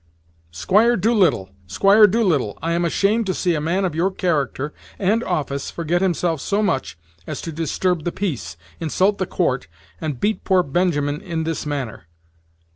"Squire Doolittle! Squire Doolittle! I am ashamed to see a man of your character and office forget himself so much as to disturb the peace, insult the court, and beat poor Benjamin in this manner!"